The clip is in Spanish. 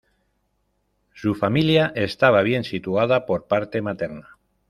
Su familia estaba bien situada por parte materna.